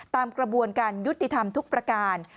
ตามกระบวนการยุติธรรมทุกประการ